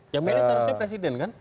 itu harusnya presiden kan